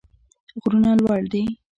غرونه لوړ دي.